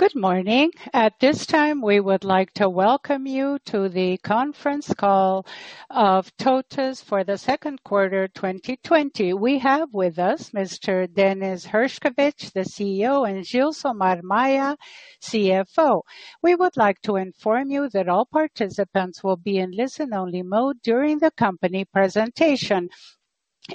Good morning. At this time, we would like to welcome you to the conference call of TOTVS for the second quarter 2020. We have with us Mr. Dennis Herszkowicz, the CEO, and Gilsomar Maia, CFO. We would like to inform you that all participants will be in listen-only mode during the company presentation.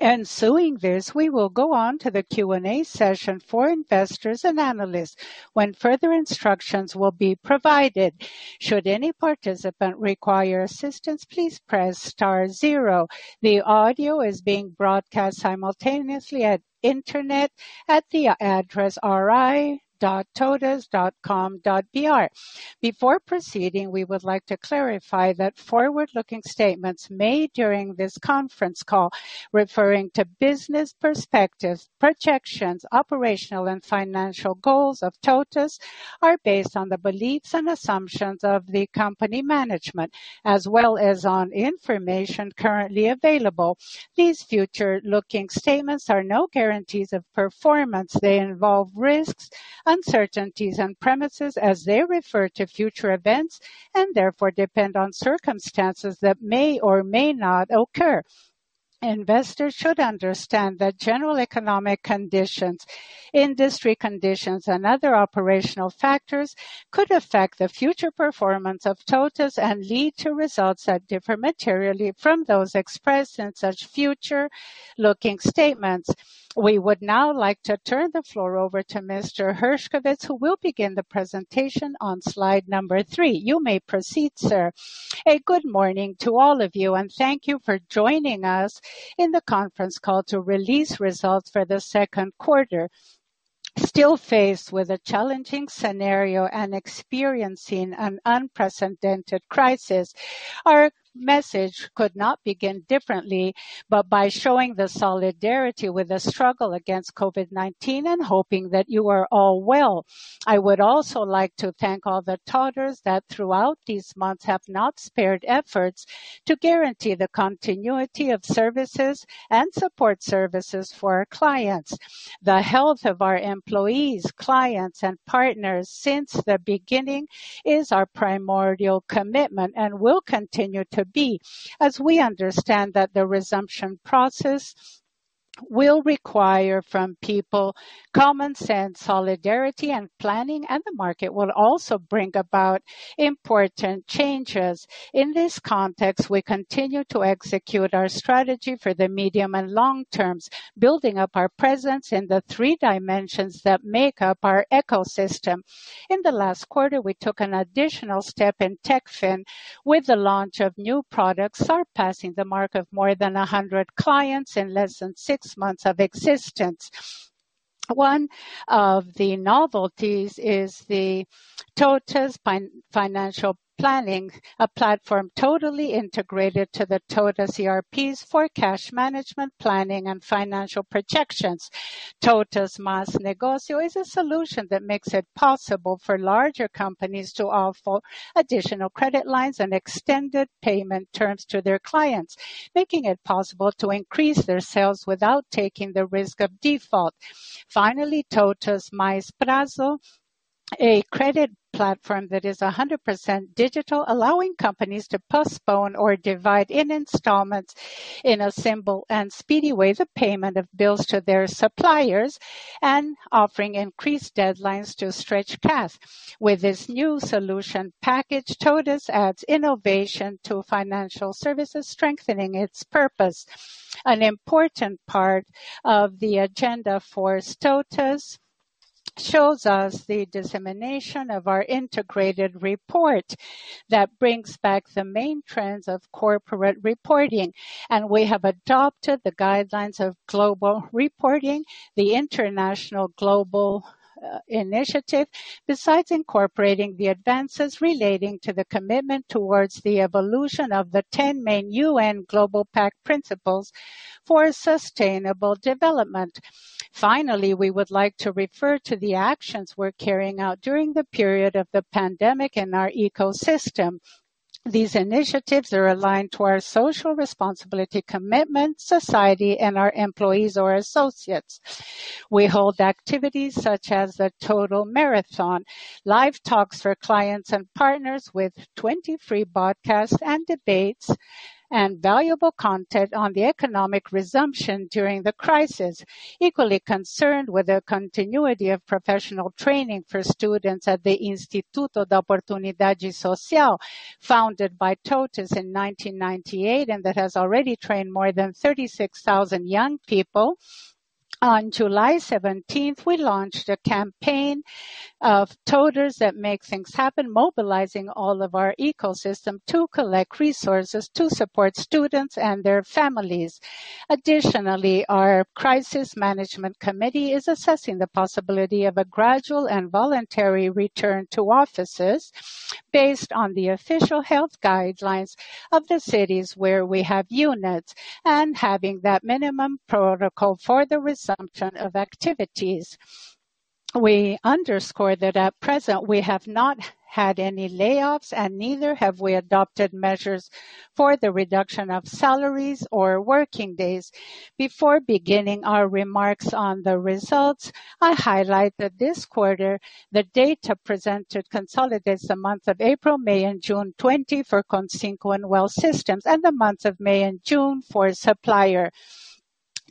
Ensuing this, we will go on to the Q&A session for investors and analysts when further instructions will be provided. Should any participant require assistance, please press star zero. The audio is being broadcast simultaneously on the internet at the address ri.totvs.com.br. Before proceeding, we would like to clarify that forward-looking statements made during this conference call referring to business perspectives, projections, operational, and financial goals of TOTVS are based on the beliefs and assumptions of the company management, as well as on information currently available. These forward-looking statements are no guarantees of performance. They involve risks, uncertainties, and premises as they refer to future events and therefore depend on circumstances that may or may not occur. Investors should understand that general economic conditions, industry conditions, and other operational factors could affect the future performance of TOTVS and lead to results that differ materially from those expressed in such future-looking statements. We would now like to turn the floor over to Mr. Herszkowicz, who will begin the presentation on slide number three. You may proceed, sir. A good morning to all of you, and thank you for joining us in the conference call to release results for the second quarter. Still faced with a challenging scenario and experiencing an unprecedented crisis, our message could not begin differently but by showing the solidarity with the struggle against COVID-19 and hoping that you are all well. I would also like to thank all the team members that throughout these months have not spared efforts to guarantee the continuity of services and support services for our clients. The health of our employees, clients, and partners since the beginning is our primary commitment and will continue to be. As we understand that the resumption process will require from people common sense, solidarity, and planning, and the market will also bring about important changes. In this context, we continue to execute our strategy for the medium and long terms, building up our presence in the three dimensions that make up our ecosystem. In the last quarter, we took an additional step in Techfin with the launch of new products surpassing the mark of more than 100 clients in less than six months of existence. One of the novelties is the TOTVS Financial Planning platform, totally integrated to the TOTVS ERPs for cash management planning and financial projections. TOTVS Mais Negócios is a solution that makes it possible for larger companies to offer additional credit lines and extended payment terms to their clients, making it possible to increase their sales without taking the risk of default. Finally, TOTVS Mais Prazo, a credit platform that is 100% digital, allowing companies to postpone or divide in installments in a simple and speedy way the payment of bills to their suppliers and offering increased deadlines to stretch cash. With this new solution package, TOTVS adds innovation to financial services, strengthening its purpose. An important part of the agenda for TOTVS shows us the dissemination of our integrated report that brings back the main trends of corporate reporting, and we have adopted the guidelines of global reporting, the Global Reporting Initiative, besides incorporating the advances relating to the commitment towards the evolution of the 10 main UN Global Compact principles for sustainable development. Finally, we would like to refer to the actions we're carrying out during the period of the pandemic in our ecosystem. These initiatives are aligned to our social responsibility commitment, society, and our employees or associates. We hold activities such as the TOTVS Marathon, live talks for clients and partners with 23 podcasts and debates, and valuable content on the economic resumption during the crisis. Equally concerned with the continuity of professional training for students at the Instituto da Oportunidade Social, founded by TOTVS in 1998 and that has already trained more than 36,000 young people, on July 17th, we launched a campaign of TOTVS That Makes Things Happen, mobilizing all of our ecosystem to collect resources to support students and their families. Additionally, our Crisis Management Committee is assessing the possibility of a gradual and voluntary return to offices based on the official health guidelines of the cities where we have units and having that minimum protocol for the resumption of activities. We underscore that at present we have not had any layoffs and neither have we adopted measures for the reduction of salaries or working days. Before beginning our remarks on the results, I highlight that this quarter the data presented consolidates the months of April, May, and June 2020 for Consinco and Wealth Systems and the months of May and June for Supplier.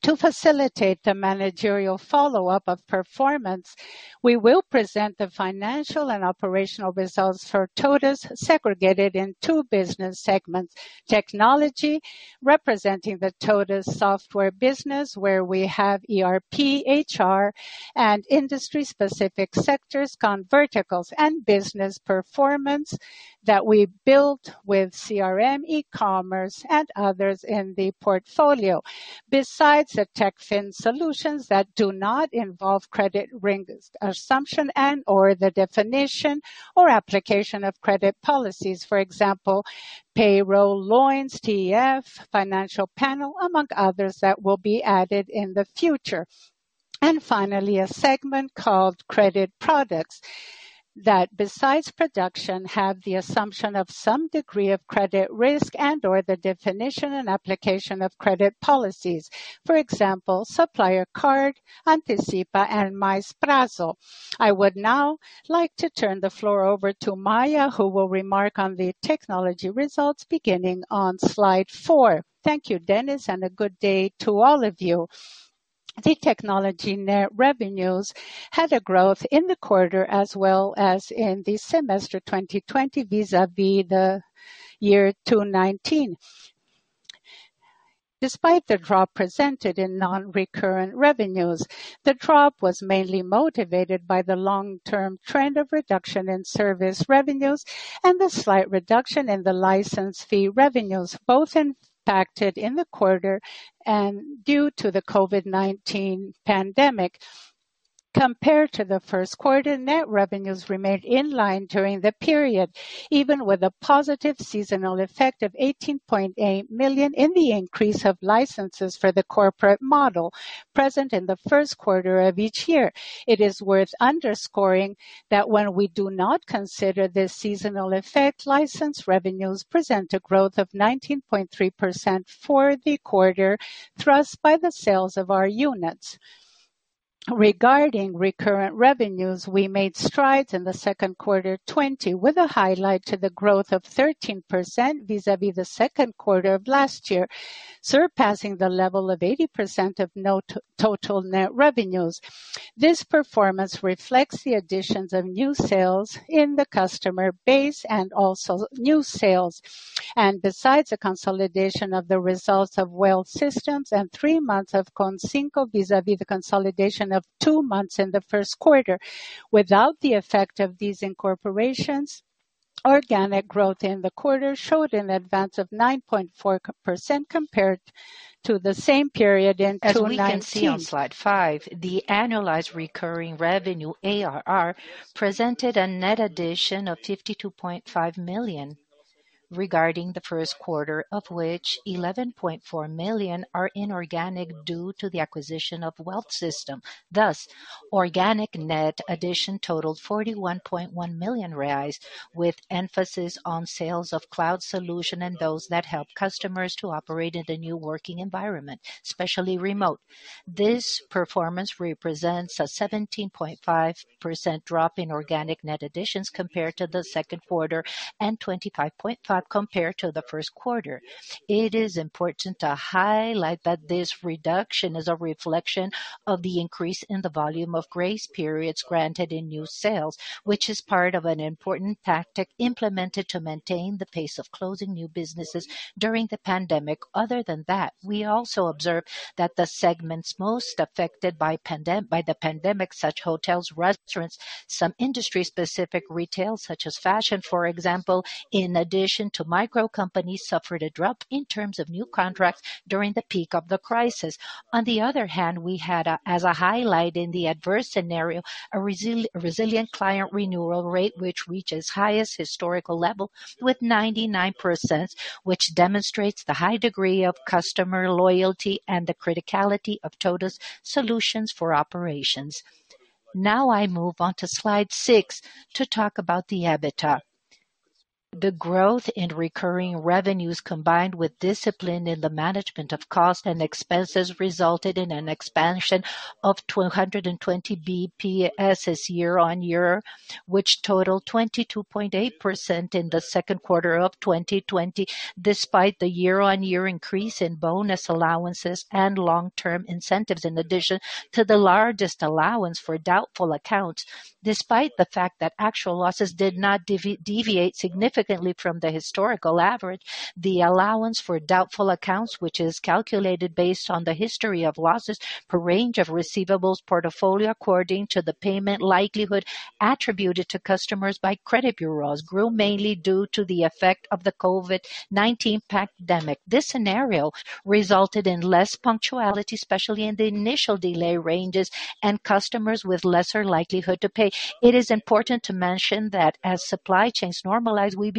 To facilitate the managerial follow-up of performance, we will present the financial and operational results for TOTVS segregated in two business segments: Technology, representing the TOTVS software business, where we have ERP, HR, and industry-specific sectors, verticals, and Business Performance that we build with CRM, e-commerce, and others in the portfolio. Besides the Techfin solutions that do not involve credit risk assumption and/or the definition or application of credit policies, for example, payroll loans, TEF, Financial Panel, among others that will be added in the future. Finally, a segment called Credit Products that, besides production, have the assumption of some degree of credit risk and/or the definition and application of credit policies. For example, Supplier Card, Antecipa, and Mais Prazo. I would now like to turn the floor over to Maia, who will remark on the technology results beginning on Slide four. Thank you, Dennis, and a good day to all of you. The technology net revenues had a growth in the quarter as well as in the semester 2020 vis-à-vis the year 2019. Despite the drop presented in non-recurring revenues, the drop was mainly motivated by the long-term trend of reduction in service revenues and the slight reduction in the license fee revenues, both impacted in the quarter and due to the COVID-19 pandemic. Compared to the first quarter, net revenues remained in line during the period, even with a positive seasonal effect of 18.8 million in the increase of licenses for the corporate model present in the first quarter of each year. It is worth underscoring that when we do not consider this seasonal effect, license revenues present a growth of 19.3% for the quarter thrust by the sales of our units. Regarding recurrent revenues, we made strides in the second quarter 2020 with a highlight to the growth of 13% vis-à-vis the second quarter of last year, surpassing the level of 80% of our total net revenues. This performance reflects the additions of new sales in the customer base and also new sales. Besides the consolidation of the results of Wealth Systems and three months of Consinco vis-à-vis the consolidation of two months in the first quarter, without the effect of these incorporations, organic growth in the quarter showed an advance of 9.4% compared to the same period in 2019. As we can see on Slide five, the annualized recurring revenue ARR presented a net addition of 52.5 million, regarding the first quarter, of which 11.4 million are inorganic due to the acquisition of Wealth Systems. Thus, organic net addition totaled 41.1 million reais, with emphasis on sales of cloud solutions and those that help customers to operate in the new working environment, especially remote. This performance represents a 17.5% drop in organic net additions compared to the second quarter and 25.5% compared to the first quarter. It is important to highlight that this reduction is a reflection of the increase in the volume of grace periods granted in new sales, which is part of an important tactic implemented to maintain the pace of closing new businesses during the pandemic. Other than that, we also observed that the segments most affected by the pandemic, such as hotels, restaurants, some industry-specific retail, such as fashion, for example, in addition to micro companies, suffered a drop in terms of new contracts during the peak of the crisis. On the other hand, we had, as a highlight in the adverse scenario, a resilient client renewal rate, which reaches the highest historical level with 99%, which demonstrates the high degree of customer loyalty and the criticality of TOTVS solutions for operations. Now I move on to Slide six to talk about the EBITDA. The growth in recurring revenues combined with discipline in the management of costs and expenses resulted in an expansion of 220 basis points year-on-year, which totaled 22.8% in the second quarter of 2020, despite the year-on-year increase in bonus allowances and long-term incentives, in addition to the largest allowance for doubtful accounts. Despite the fact that actual losses did not deviate significantly from the historical average, the allowance for doubtful accounts, which is calculated based on the history of losses per range of receivables portfolio according to the payment likelihood attributed to customers by credit bureaus, grew mainly due to the effect of the COVID-19 pandemic. This scenario resulted in less punctuality, especially in the initial delay ranges, and customers with lesser likelihood to pay. It is important to mention that as supply chains normalize, we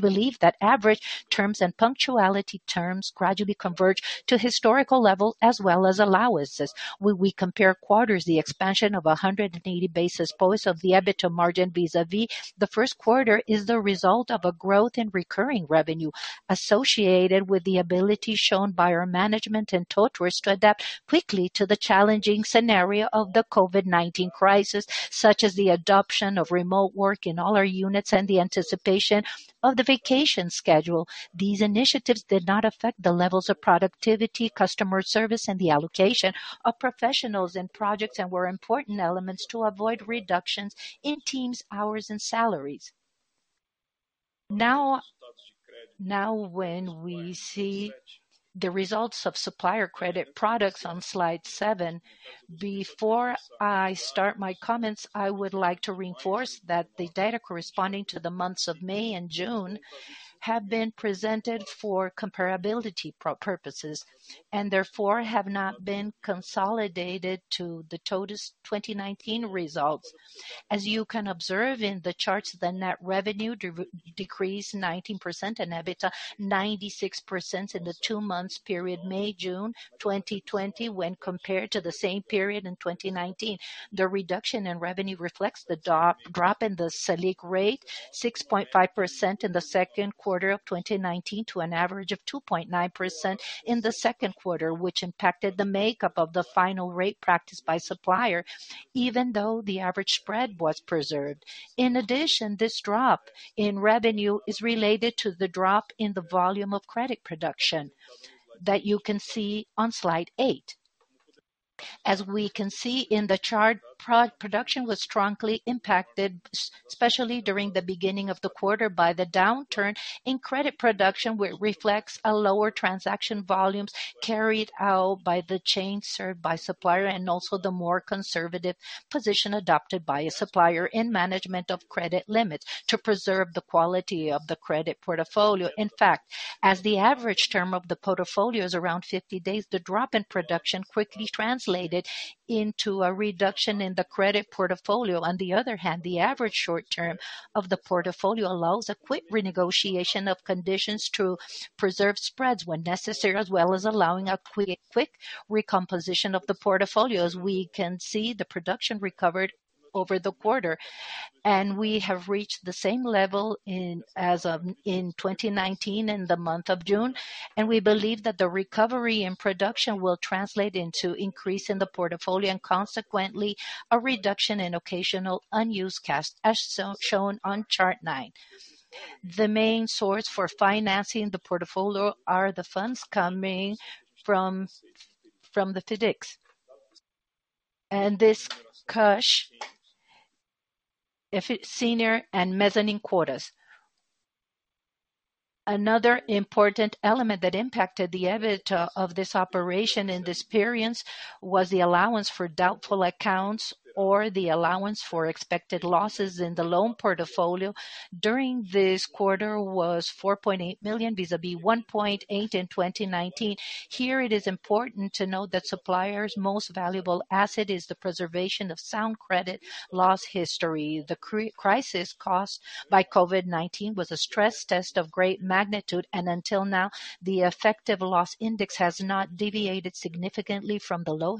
believe that average terms and punctuality terms gradually converge to historical levels as well as allowances. When we compare quarters, the expansion of 180 basis points of the EBITDA margin vis-à-vis the first quarter is the result of a growth in recurring revenue associated with the ability shown by our management and TOTVS to adapt quickly to the challenging scenario of the COVID-19 crisis, such as the adoption of remote work in all our units and the anticipation of the vacation schedule. These initiatives did not affect the levels of productivity, customer service, and the allocation of professionals in projects and were important elements to avoid reductions in teams, hours, and salaries. Now, when we see the results of Supplier Credit products on Slide seven, before I start my comments, I would like to reinforce that the data corresponding to the months of May and June have been presented for comparability purposes and therefore have not been consolidated to the TOTVS 2019 results. As you can observe in the charts, the net revenue decreased 19% and EBITDA 96% in the two months period May-June 2020 when compared to the same period in 2019. The reduction in revenue reflects the drop in the SELIC rate 6.5% in the second quarter of 2019 to an average of 2.9% in the second quarter, which impacted the makeup of the final rate practiced by Supplier, even though the average spread was preserved. In addition, this drop in revenue is related to the drop in the volume of credit production that you can see on Slide eight. As we can see in the chart, production was strongly impacted, especially during the beginning of the quarter, by the downturn in credit production, which reflects a lower transaction volumes carried out by the chain served by Supplier and also the more conservative position adopted by Supplier in management of credit limits to preserve the quality of the credit portfolio. In fact, as the average term of the portfolio is around 50 days, the drop in production quickly translated into a reduction in the credit portfolio. On the other hand, the average short term of the portfolio allows a quick renegotiation of conditions to preserve spreads when necessary, as well as allowing a quick recomposition of the portfolio. As we can see, the production recovered over the quarter, and we have reached the same level as in 2019 in the month of June. We believe that the recovery in production will translate into an increase in the portfolio and consequently a reduction in occasional unused cash, as shown on chart nine. The main source for financing the portfolio are the funds coming from the FIDCs. This cash, if it's senior and mezzanine quotas. Another important element that impacted the EBITDA of this operation in this period was the allowance for doubtful accounts or the allowance for expected losses in the loan portfolio. During this quarter, it was 4.8 million vis-à-vis 1.8 million in 2019. Here, it is important to note that Supplier's most valuable asset is the preservation of sound credit loss history. The crisis caused by COVID-19 was a stress test of great magnitude, and until now, the effective loss index has not deviated significantly from the low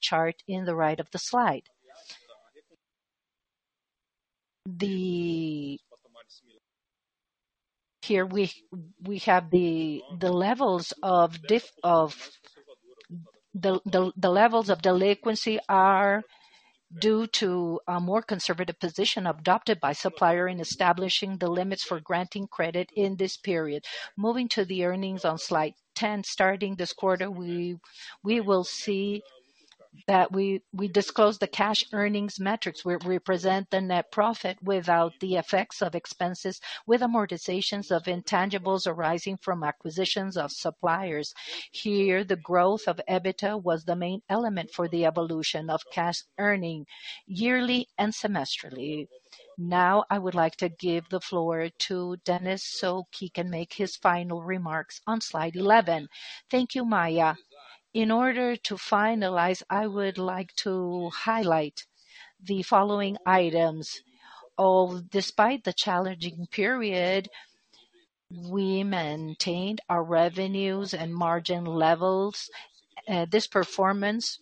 historical average, as shown in the chart on the right of the slide. Here, we have the levels of delinquency due to a more conservative position adopted by Supplier in establishing the limits for granting credit in this period. Moving to the earnings on Slide 10, starting this quarter, we will see that we disclose the cash earnings metrics, which represent the net profit without the effects of expenses, with amortizations of intangibles arising from acquisitions of Supplier. Here, the growth of EBITDA was the main element for the evolution of cash earnings yearly and semesterly. Now, I would like to give the floor to Dennis so he can make his final remarks on Slide 11. Thank you, Maia. In order to finalize, I would like to highlight the following items. Despite the challenging period, we maintained our revenues and margin levels. This performance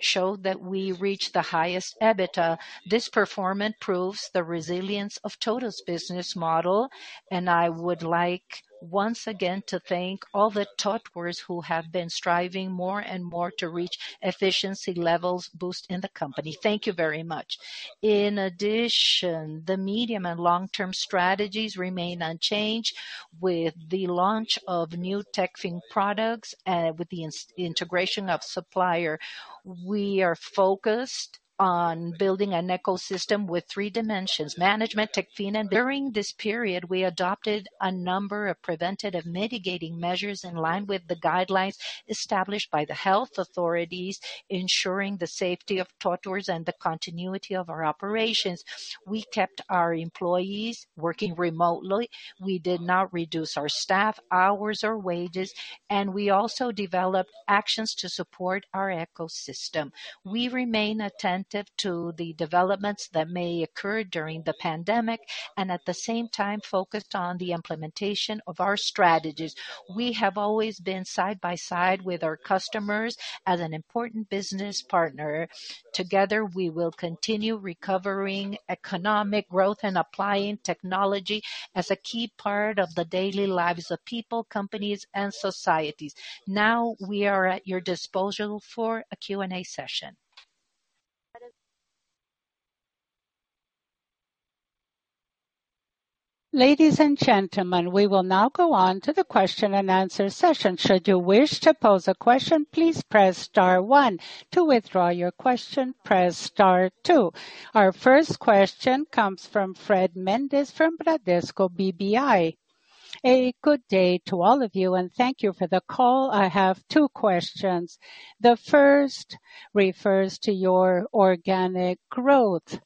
showed that we reached the highest EBITDA. This performance proves the resilience of TOTVS business model. I would like once again to thank all the TOTVS who have been striving more and more to reach efficiency levels boost in the company. Thank you very much. In addition, the medium and long-term strategies remain unchanged. With the launch of new Techfin products and with the integration of Supplier, we are focused on building an ecosystem with three dimensions: management, Techfin. During this period, we adopted a number of preventative mitigating measures in line with the guidelines established by the health authorities, ensuring the safety of TOTVS and the continuity of our operations. We kept our employees working remotely. We did not reduce our staff hours or wages, and we also developed actions to support our ecosystem. We remain attentive to the developments that may occur during the pandemic and, at the same time, focused on the implementation of our strategies. We have always been side by side with our customers as an important business partner. Together, we will continue recovering economic growth and applying technology as a key part of the daily lives of people, companies, and societies. Now, we are at your disposal for a Q&A session. Ladies and gentlemen, we will now go on to the question and answer session. Should you wish to pose a question, please press star one. To withdraw your question, press star two. Our first question comes from Fred Mendes from Bradesco BBI. A good day to all of you, and thank you for the call. I have two questions. The first refers to your organic growth,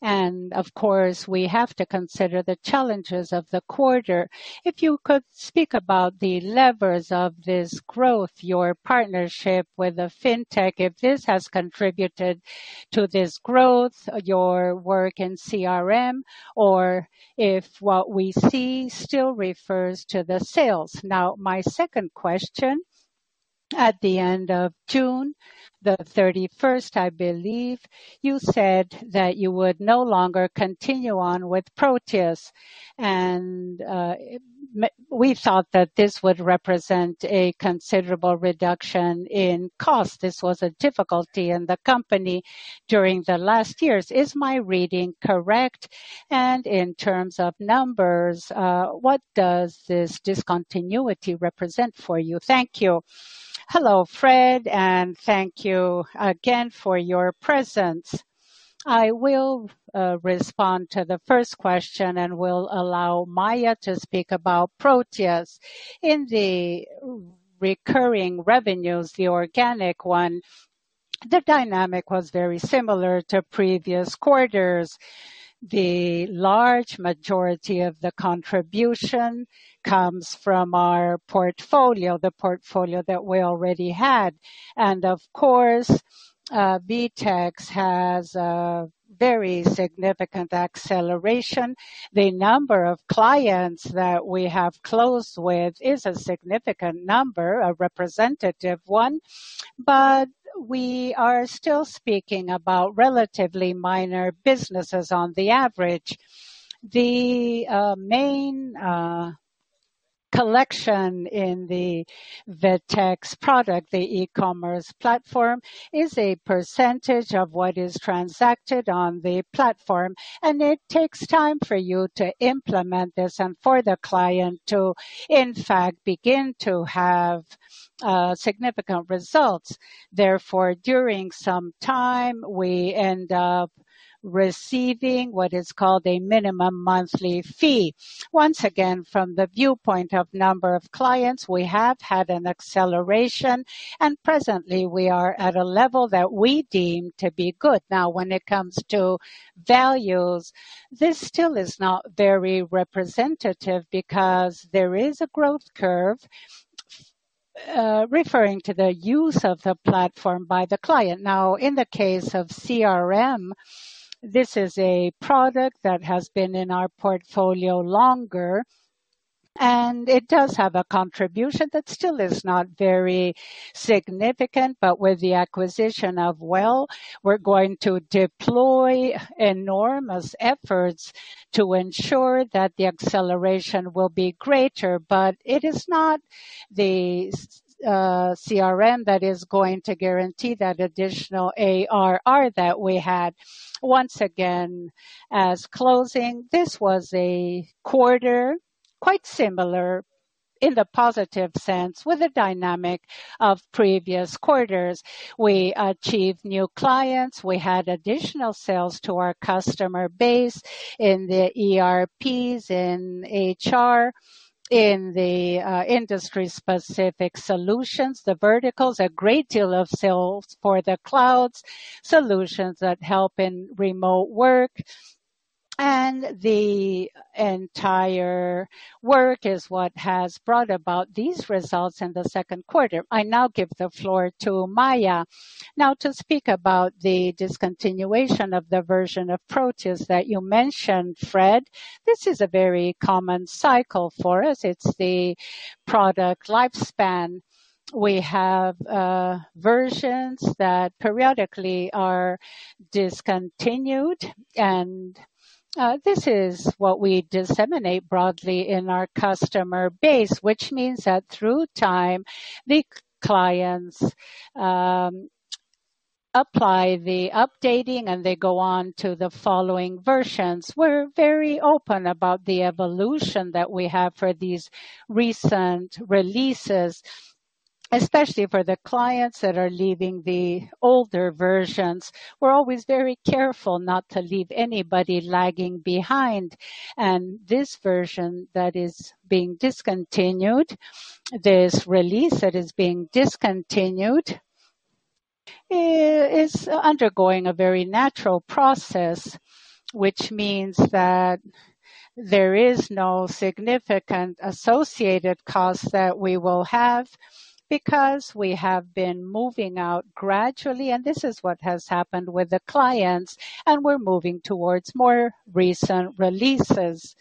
and, of course, we have to consider the challenges of the quarter. If you could speak about the levers of this growth, your partnership with the fintech, if this has contributed to this growth, your work in CRM, or if what we see still refers to the sales. Now, my second question, at the end of June the 31st, I believe you said that you would no longer continue on with Protheus. And we thought that this would represent a considerable reduction in cost. This was a difficulty in the company during the last years. Is my reading correct? And in terms of numbers, what does this discontinuity represent for you? Thank you. Hello, Fred, and thank you again for your presence. I will respond to the first question and will allow Maia to speak about Protheus. In the recurring revenues, the organic one, the dynamic was very similar to previous quarters. The large majority of the contribution comes from our portfolio, the portfolio that we already had, and, of course, VTEX has a very significant acceleration. The number of clients that we have closed with is a significant number, a representative one, but we are still speaking about relatively minor businesses on the average. The main collection in the VTEX product, the e-commerce platform, is a percentage of what is transacted on the platform. And it takes time for you to implement this and for the client to, in fact, begin to have significant results. Therefore, during some time, we end up receiving what is called a minimum monthly fee. Once again, from the viewpoint of the number of clients, we have had an acceleration, and presently, we are at a level that we deem to be good. Now, when it comes to values, this still is not very representative because there is a growth curve referring to the use of the platform by the client. Now, in the case of CRM, this is a product that has been in our portfolio longer, and it does have a contribution that still is not very significant. But with the acquisition of Wealth Systems, we're going to deploy enormous efforts to ensure that the acceleration will be greater. But it is not the CRM that is going to guarantee that additional ARR that we had. Once again, as closing, this was a quarter quite similar in the positive sense with the dynamic of previous quarters. We achieved new clients. We had additional sales to our customer base in the ERPs, in HR, in the industry-specific solutions, the verticals, a great deal of sales for the cloud solutions that help in remote work. The entire work is what has brought about these results in the second quarter. I now give the floor to Maia. Now, to speak about the discontinuation of the version of Protheus that you mentioned, Fred, this is a very common cycle for us. It's the product lifespan. We have versions that periodically are discontinued, and this is what we disseminate broadly in our customer base, which means that through time, the clients apply the updating and they go on to the following versions. We're very open about the evolution that we have for these recent releases, especially for the clients that are leaving the older versions. We're always very careful not to leave anybody lagging behind, and this version that is being discontinued, this release that is being discontinued, is undergoing a very natural process, which means that there is no significant associated cost that we will have because we have been moving out gradually, and this is what has happened with the clients, and we're moving towards more recent releases,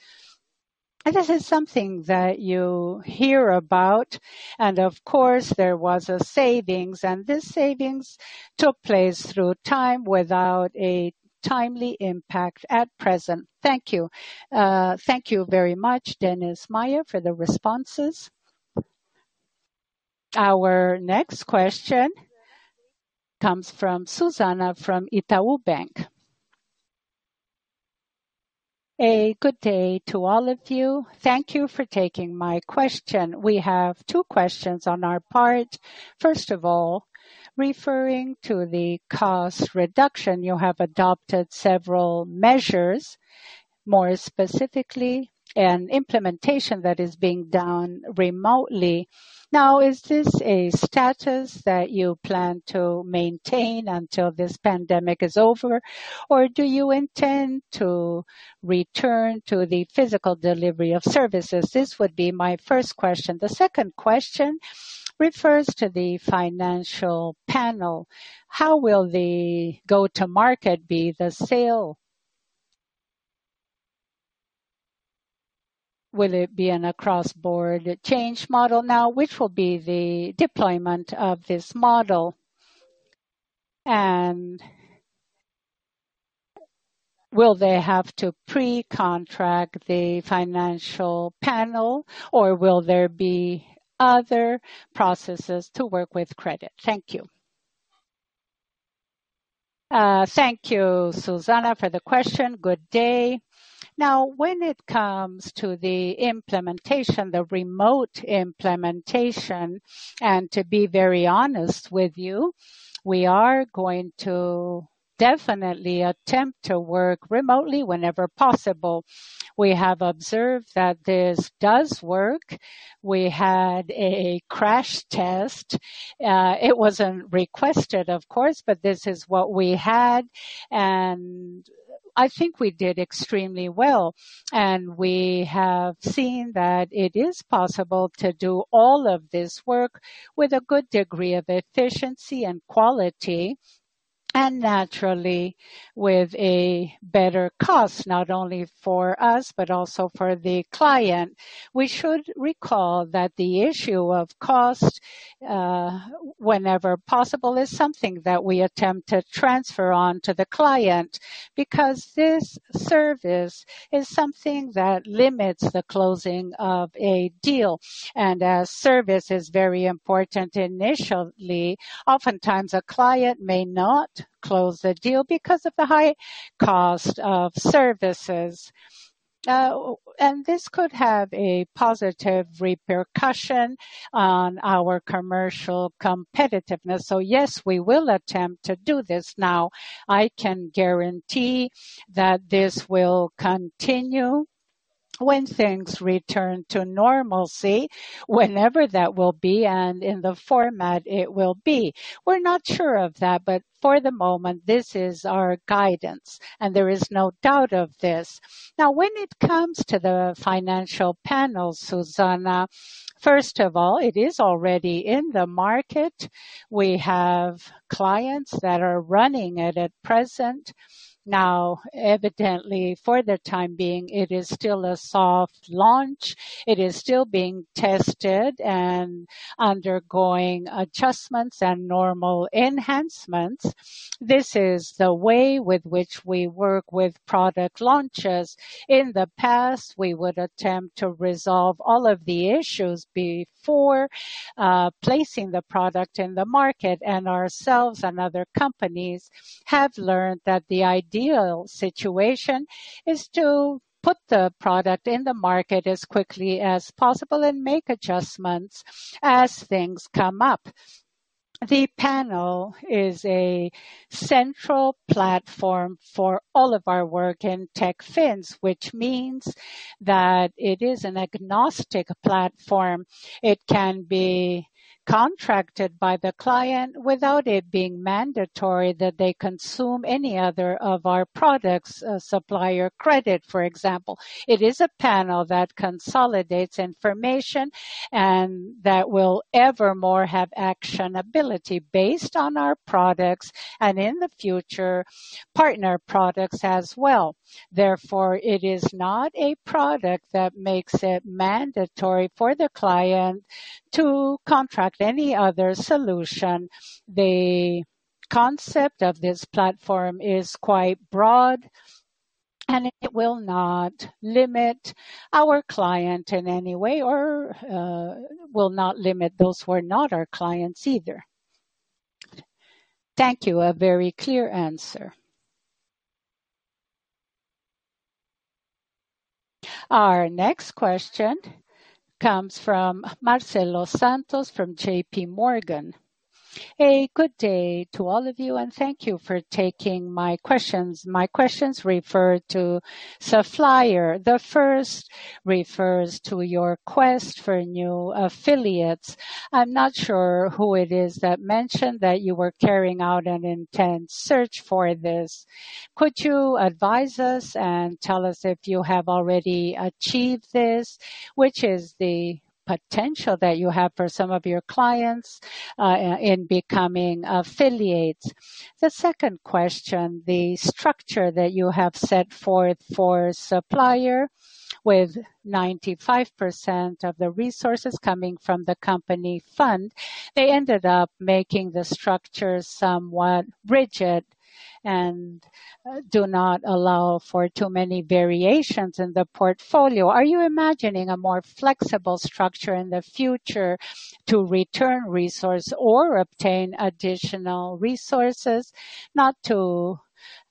and this is something that you hear about, and, of course, there was a savings, and this savings took place through time without a timely impact at present. Thank you. Thank you very much, Dennis, Maia, for the responses. Our next question comes from Susana from Itaú BBA. A good day to all of you. Thank you for taking my question. We have two questions on our part. First of all, referring to the cost reduction, you have adopted several measures, more specifically, the implementation that is being done remotely. Now, is this a status that you plan to maintain until this pandemic is over, or do you intend to return to the physical delivery of services? This would be my first question. The second question refers to the Financial Panel. How will the go-to-market be the sale? Will it be an across-the-board change model now, which will be the deployment of this model? And will they have to pre-contract the Financial Panel, or will there be other processes to work with credit? Thank you. Thank you, Susana, for the question. Good day. Now, when it comes to the implementation, the remote implementation, and to be very honest with you, we are going to definitely attempt to work remotely whenever possible. We have observed that this does work. We had a crash test. It wasn't requested, of course, but this is what we had. And I think we did extremely well. And we have seen that it is possible to do all of this work with a good degree of efficiency and quality, and naturally, with a better cost, not only for us, but also for the client. We should recall that the issue of cost, whenever possible, is something that we attempt to transfer on to the client because this service is something that limits the closing of a deal. And as service is very important initially, oftentimes, a client may not close the deal because of the high cost of services. And this could have a positive repercussion on our commercial competitiveness. So, yes, we will attempt to do this. Now, I can guarantee that this will continue when things return to normalcy, whenever that will be, and in the format it will be. We're not sure of that, but for the moment, this is our guidance, and there is no doubt of this. Now, when it comes to the Financial Panel, Susana, first of all, it is already in the market. We have clients that are running it at present. Now, evidently, for the time being, it is still a soft launch. It is still being tested and undergoing adjustments and normal enhancements. This is the way with which we work with product launches. In the past, we would attempt to resolve all of the issues before placing the product in the market. Ourselves and other companies have learned that the ideal situation is to put the product in the market as quickly as possible and make adjustments as things come up. The panel is a central platform for all of our work in Techfin, which means that it is an agnostic platform. It can be contracted by the client without it being mandatory that they consume any other of our products' Supplier credit, for example. It is a panel that consolidates information and that will evermore have actionability based on our products and, in the future, partner products as well. Therefore, it is not a product that makes it mandatory for the client to contract any other solution. The concept of this platform is quite broad, and it will not limit our client in any way or will not limit those who are not our clients either. Thank you. A very clear answer. Our next question comes from Marcelo Santos from JPMorgan. Good day to all of you, and thank you for taking my questions. My questions refer to Supplier. The first refers to your quest for new affiliates. I'm not sure who it is that mentioned that you were carrying out an intense search for this. Could you advise us and tell us if you have already achieved this, which is the potential that you have for some of your clients in becoming affiliates? The second question, the structure that you have set forth for Supplier, with 95% of the resources coming from the company fund, they ended up making the structure somewhat rigid and do not allow for too many variations in the portfolio. Are you imagining a more flexible structure in the future to return resources or obtain additional resources, not to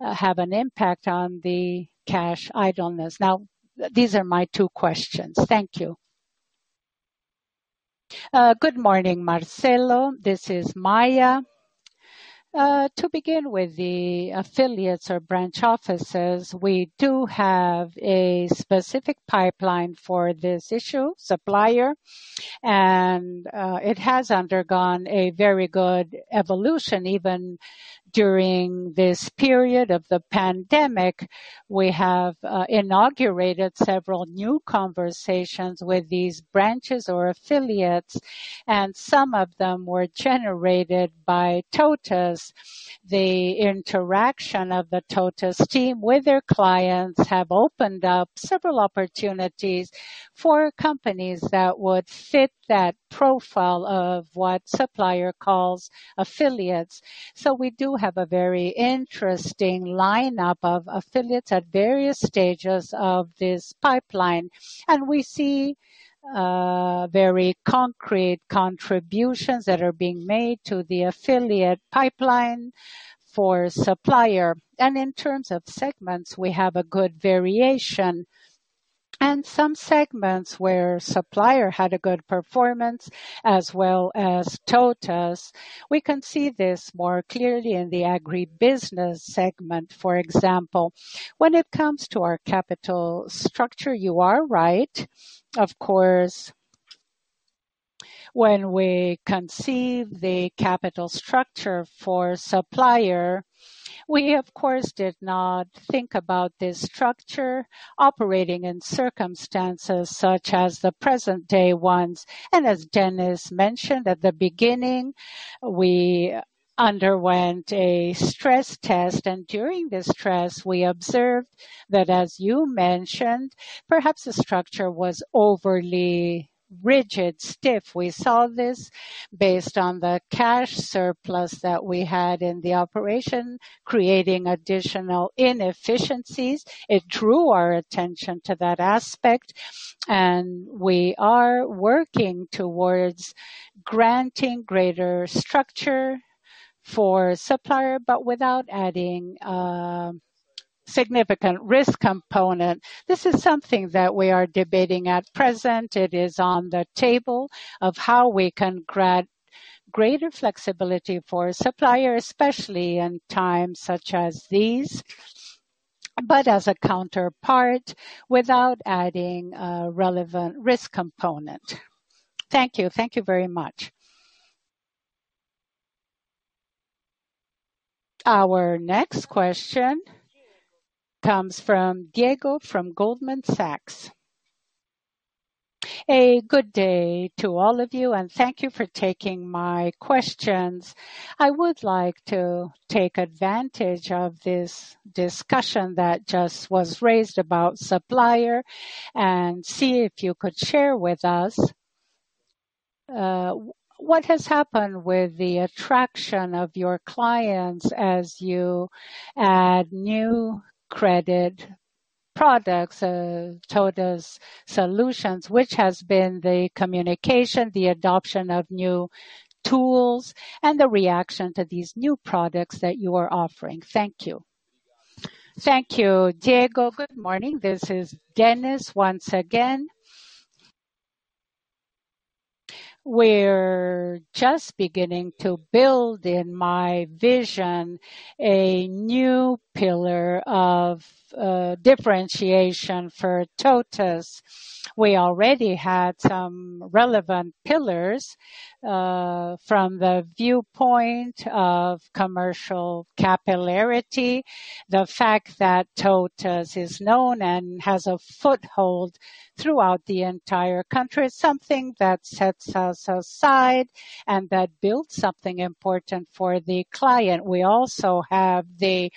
have an impact on the cash idleness? Now, these are my two questions. Thank you. Good morning, Marcelo. This is Maia. To begin with, the affiliates or branch offices, we do have a specific pipeline for this issue, Supplier. And it has undergone a very good evolution. Even during this period of the pandemic, we have inaugurated several new conversations with these branches or affiliates. And some of them were generated by TOTVS. The interaction of the TOTVS team with their clients has opened up several opportunities for companies that would fit that profile of what Supplier calls affiliates. So we do have a very interesting lineup of affiliates at various stages of this pipeline. And we see very concrete contributions that are being made to the affiliate pipeline for Supplier. In terms of segments, we have a good variation. And some segments where Supplier had a good performance, as well as TOTVS. We can see this more clearly in the agribusiness segment, for example. When it comes to our capital structure, you are right. Of course, when we conceived the capital structure for Supplier, we, of course, did not think about this structure operating in circumstances such as the present-day ones. And as Dennis mentioned at the beginning, we underwent a stress test. And during the stress, we observed that, as you mentioned, perhaps the structure was overly rigid, stiff. We saw this based on the cash surplus that we had in the operation, creating additional inefficiencies. It drew our attention to that aspect. And we are working towards granting greater structure for Supplier, but without adding a significant risk component. This is something that we are debating at present. It is on the table of how we can grant greater flexibility for Supplier, especially in times such as these, but as a counterpart, without adding a relevant risk component. Thank you. Thank you very much. Our next question comes from Diego from Goldman Sachs. A good day to all of you, and thank you for taking my questions. I would like to take advantage of this discussion that just was raised about Supplier and see if you could share with us what has happened with the attraction of your clients as you add new Credit Products, TOTVS solutions, which has been the communication, the adoption of new tools, and the reaction to these new products that you are offering. Thank you. Thank you, Diego. Good morning. This is Dennis once again. We're just beginning to build, in my vision, a new pillar of differentiation for TOTVS. We already had some relevant pillars from the viewpoint of commercial capillarity, the fact that TOTVS is known and has a foothold throughout the entire country, something that sets us aside and that builds something important for the client. We also have the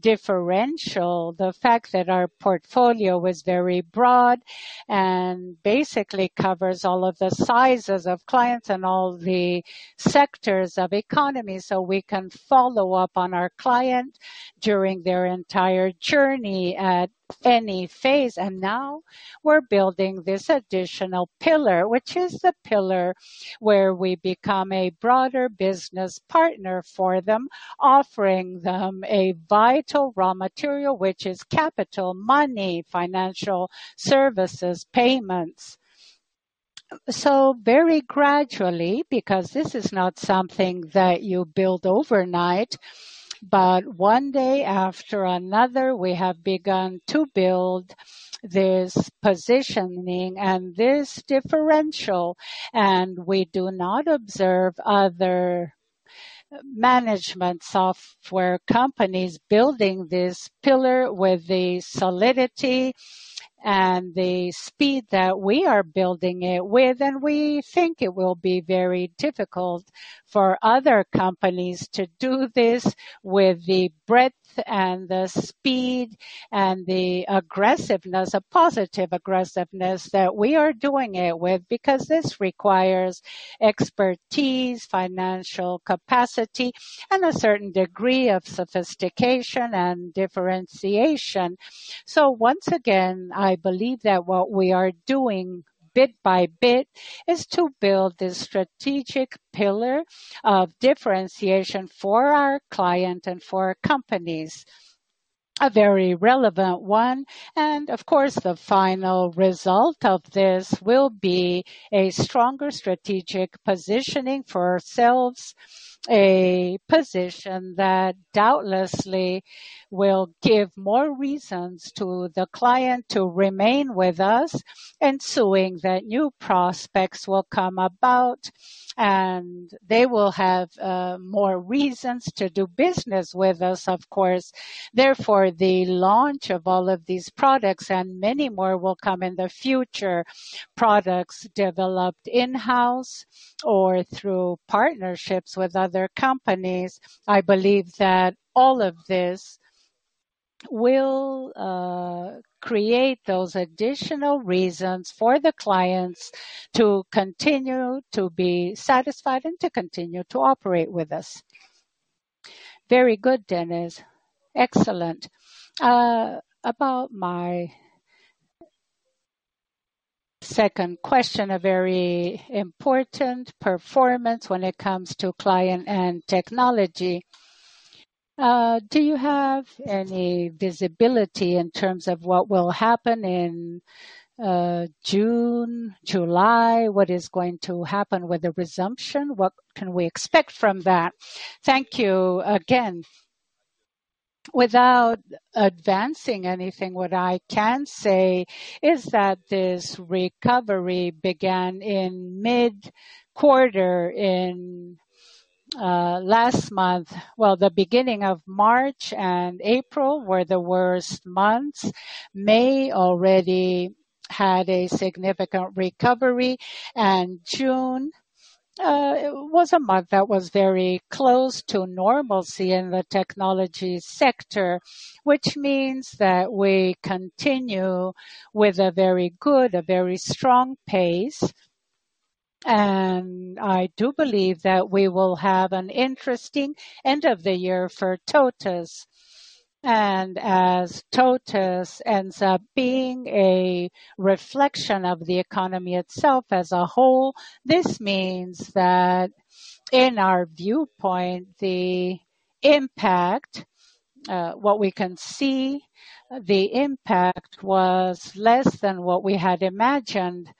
differential, the fact that our portfolio was very broad and basically covers all of the sizes of clients and all the sectors of economy so we can follow up on our client during their entire journey at any phase, and now we're building this additional pillar, which is the pillar where we become a broader business partner for them, offering them a vital raw material, which is capital, money, financial services, payments. So very gradually, because this is not something that you build overnight, but one day after another, we have begun to build this positioning and this differential. And we do not observe other management software companies building this pillar with the solidity and the speed that we are building it with. And we think it will be very difficult for other companies to do this with the breadth and the speed and the aggressiveness, a positive aggressiveness that we are doing it with, because this requires expertise, financial capacity, and a certain degree of sophistication and differentiation. So once again, I believe that what we are doing bit by bit is to build this strategic pillar of differentiation for our client and for our companies, a very relevant one. Of course, the final result of this will be a stronger strategic positioning for ourselves, a position that doubtlessly will give more reasons to the client to remain with us, ensuing that new prospects will come about and they will have more reasons to do business with us, of course. Therefore, the launch of all of these products and many more will come in the future, products developed in-house or through partnerships with other companies. I believe that all of this will create those additional reasons for the clients to continue to be satisfied and to continue to operate with us. Very good, Dennis. Excellent. About my second question, a very important performance when it comes to client and technology. Do you have any visibility in terms of what will happen in June, July? What is going to happen with the resumption? What can we expect from that? Thank you again. Without advancing anything, what I can say is that this recovery began in mid-quarter in last month. The beginning of March and April were the worst months. May already had a significant recovery. June was a month that was very close to normalcy in the technology sector, which means that we continue with a very good, a very strong pace. I do believe that we will have an interesting end of the year for TOTVS. As TOTVS ends up being a reflection of the economy itself as a whole, this means that in our viewpoint, the impact, what we can see, the impact was less than what we had imagined.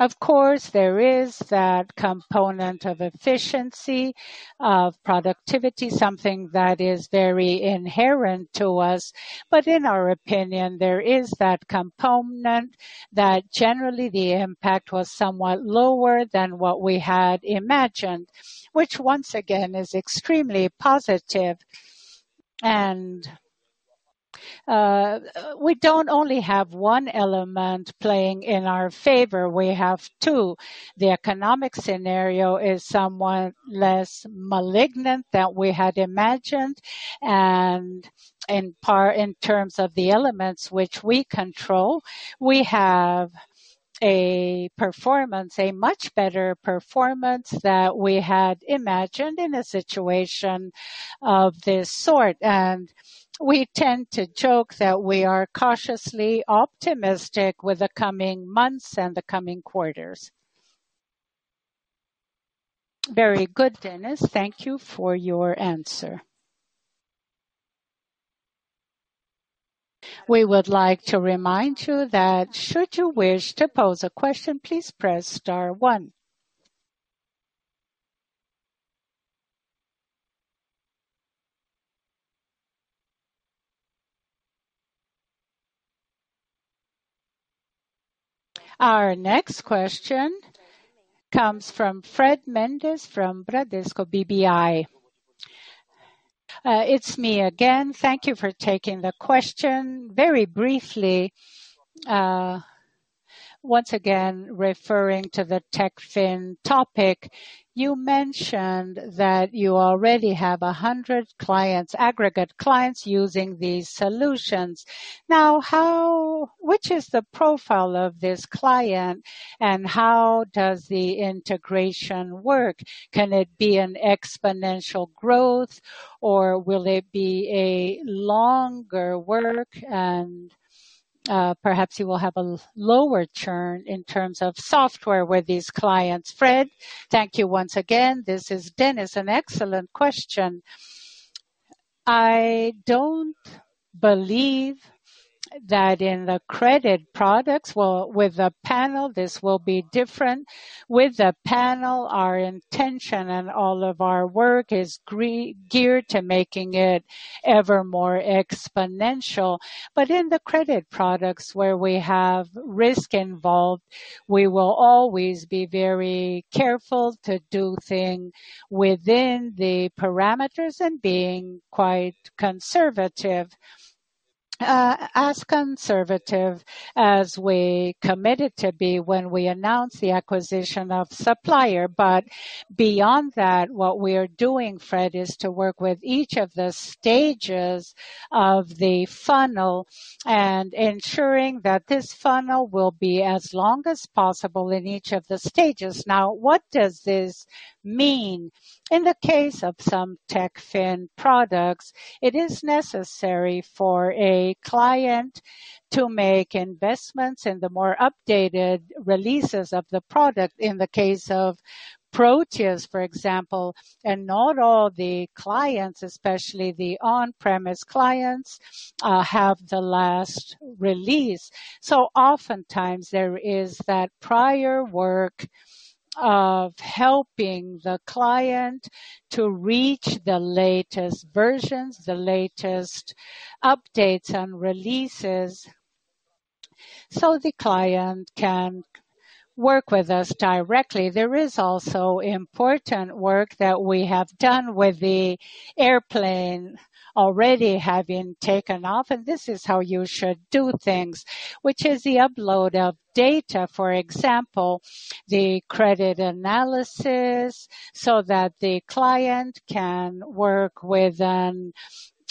Of course, there is that component of efficiency, of productivity, something that is very inherent to us. But in our opinion, there is that component that generally the impact was somewhat lower than what we had imagined, which once again is extremely positive. And we don't only have one element playing in our favor. We have two. The economic scenario is somewhat less malignant than we had imagined. And in terms of the elements which we control, we have a performance, a much better performance than we had imagined in a situation of this sort. And we tend to joke that we are cautiously optimistic with the coming months and the coming quarters. Very good, Dennis. Thank you for your answer. We would like to remind you that should you wish to pose a question, please press star one. Our next question comes from Fred Mendes from Bradesco BBI. It's me again. Thank you for taking the question. Very briefly, once again referring to the Techfin topic, you mentioned that you already have 100 clients, aggregate clients using these solutions. Now, which is the profile of this client and how does the integration work? Can it be an exponential growth or will it be a longer work? And perhaps you will have a lower churn in terms of software with these clients. Fred, thank you once again. This is Dennis. An excellent question. I don't believe that in the Credit Products, well, with the panel, this will be different. With the panel, our intention and all of our work is geared to making it ever more exponential. But in the Credit Products where we have risk involved, we will always be very careful to do things within the parameters and being quite conservative, as conservative as we committed to be when we announced the acquisition of Supplier. But beyond that, what we are doing, Fred, is to work with each of the stages of the funnel and ensuring that this funnel will be as long as possible in each of the stages. Now, what does this mean? In the case of some Techfin products, it is necessary for a client to make investments in the more updated releases of the product. In the case of Protheus, for example, and not all the clients, especially the on-premise clients, have the last release. So oftentimes, there is that prior work of helping the client to reach the latest versions, the latest updates and releases so the client can work with us directly. There is also important work that we have done with the airplane already having taken off, and this is how you should do things, which is the upload of data, for example, the credit analysis so that the client can work with an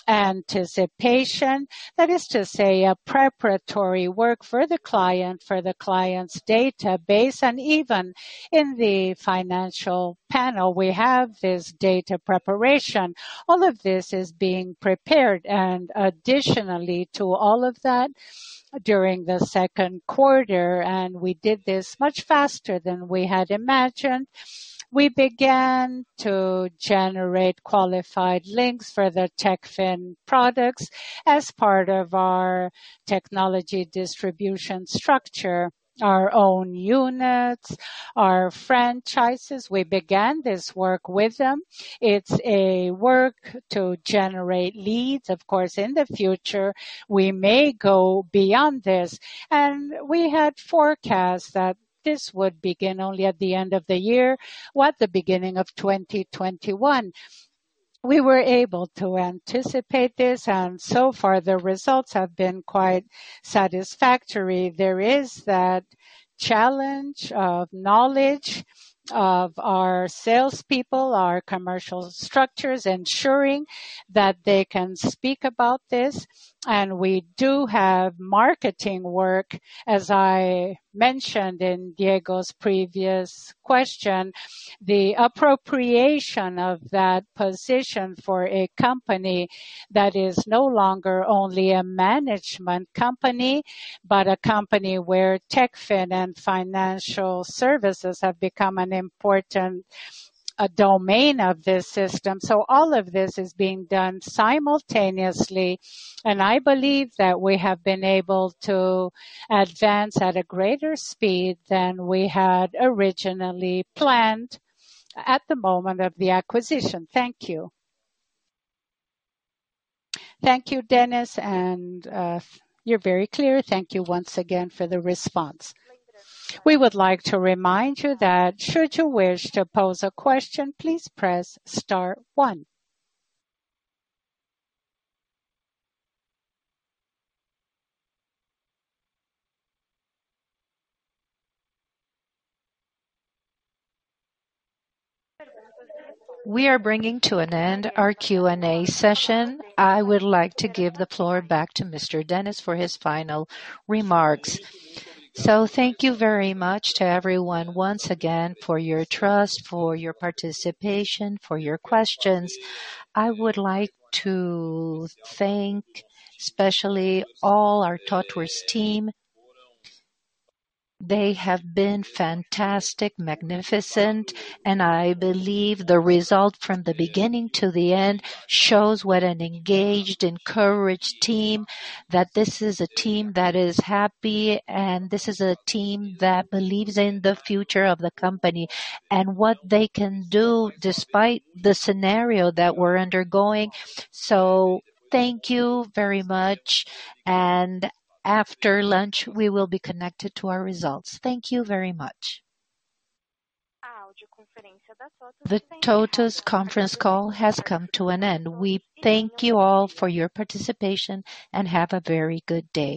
anticipation, that is to say, a preparatory work for the client, for the client's database. Even in the Financial Panel, we have this data preparation. All of this is being prepared. Additionally to all of that, during the second quarter, and we did this much faster than we had imagined, we began to generate qualified leads for the Techfin products as part of our technology distribution structure, our own units, our franchises. We began this work with them. It's a work to generate leads. Of course, in the future, we may go beyond this. And we had forecast that this would begin only at the end of the year, at the beginning of 2021. We were able to anticipate this, and so far the results have been quite satisfactory. There is that challenge of knowledge of our salespeople, our commercial structures, ensuring that they can speak about this. And we do have marketing work, as I mentioned in Diego's previous question, the appropriation of that position for a company that is no longer only a management company, but a company where Techfin and financial services have become an important domain of this system. So all of this is being done simultaneously, and I believe that we have been able to advance at a greater speed than we had originally planned at the moment of the acquisition. Thank you. Thank you, Dennis, and you're very clear. Thank you once again for the response. We would like to remind you that should you wish to pose a question, please press star one. We are bringing to an end our Q&A session. I would like to give the floor back to Mr. Dennis for his final remarks. So thank you very much to everyone once again for your trust, for your participation, for your questions. I would like to thank especially all our TOTVS team. They have been fantastic, magnificent, and I believe the result from the beginning to the end shows what an engaged, encouraged team, that this is a team that is happy and this is a team that believes in the future of the company and what they can do despite the scenario that we're undergoing, so thank you very much, and after lunch, we will be connected to our results. Thank you very much. The TOTVS conference call has come to an end. We thank you all for your participation and have a very good day.